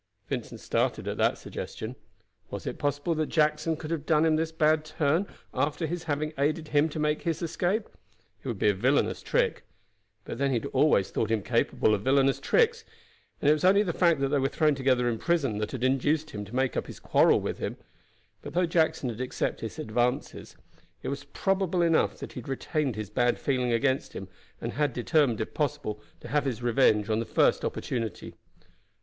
Vincent started at the suggestion. Was it possible that Jackson could have done him this bad turn after his having aided him to make his escape It would be a villainous trick; but then he had always thought him capable of villainous tricks, and it was only the fact that they were thrown together in prison that had induced him to make up his quarrel with him; but though Jackson had accepted his advances, it was probable enough that he had retained his bad feeling against him, and had determined, if possible, to have his revenge on the first opportunity.